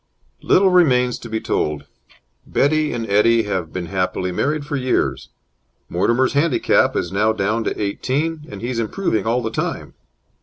Little remains to be told. Betty and Eddie have been happily married for years. Mortimer's handicap is now down to eighteen, and he is improving all the time.